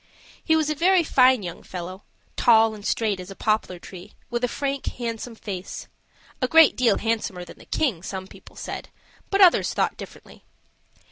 He was a very fine young fellow; tall and straight as a poplar tree, with a frank, handsome face a great deal handsomer than the king, some people said, but others thought differently.